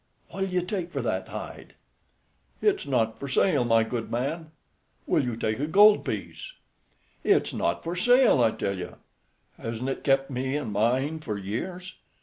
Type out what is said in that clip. "What'll you take for that hide?" "It's not for sale, my good man." "Will you take a gold piece?" "It's not for sale, I tell you. Hasn't it kept me and mine for years?"